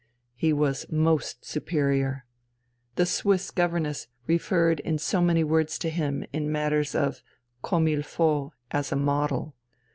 He was most superior. The Swiss governess referred in so many words to him in matters of comme il faut as a model.